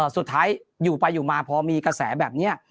สุดท้ายอยู่ไปอยู่มาพอมีกระแสแบบนี้